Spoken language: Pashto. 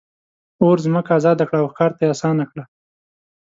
اور ځمکه آزاده کړه او ښکار ته یې آسانه کړه.